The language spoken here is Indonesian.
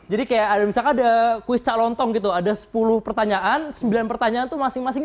jadi kayak ada misalnya ada quiz calontong gitu ada sepuluh pertanyaan sembilan pertanyaan tuh masing masing